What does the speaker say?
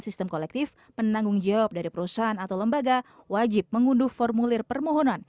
sistem kolektif penanggung jawab dari perusahaan atau lembaga wajib mengunduh formulir permohonan